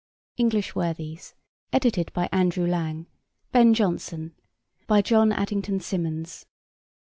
'English Worthies.' Edited by Andrew Lang. Ben Jonson. By John Addington Symonds.